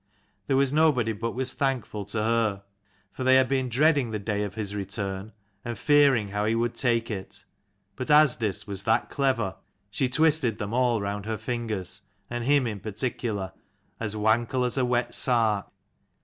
There was nobody but was thankful to her : for they had been dreading the day of his return and fearing how he would take it. But Asdis was that clever, she twisted them all round her ringers, and him in particular, as wankle as a wet sark.